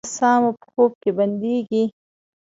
ایا ساه مو په خوب کې بندیږي؟